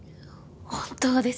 本当です。